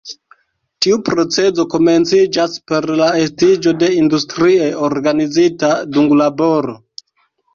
Tiu procezo komenciĝas per la estiĝo de industrie organizita dunglaboro.